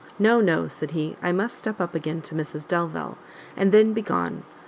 "No, no," said he, "I must step up again to Mrs Delvile, and then be gone.